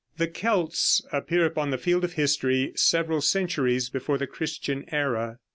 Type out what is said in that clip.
The Celts appear upon the field of history several centuries before the Christian era.